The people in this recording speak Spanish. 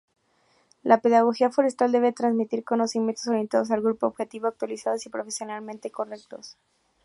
La pedagogía forestal debe transmitir conocimientos orientados al grupo objetivo, actualizados y profesionalmente correctos.